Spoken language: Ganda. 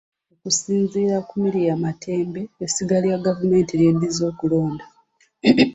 Okusinziira ku Miria Matembe essiga lya gavumenti lyeddiza okulonda.